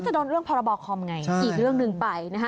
จะโดนเรื่องพรบคอมไงอีกเรื่องหนึ่งไปนะคะ